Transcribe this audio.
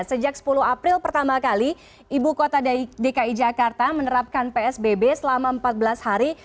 sejak sepuluh april pertama kali ibu kota dki jakarta menerapkan psbb selama empat belas hari